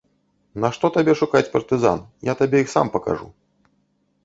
Нашто табе шукаць партызан, я табе іх сам пакажу!